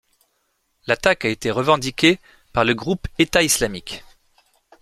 L'attaque a été revendiquée par le groupe État islamique.